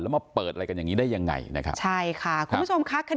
แล้วมาเปิดอะไรกันอย่างนี้ได้ยังไงนะครับใช่ค่ะคุณผู้ชมค่ะคดี